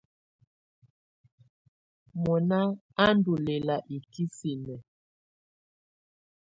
Mɔnà á ndù lɛla ikisinǝ.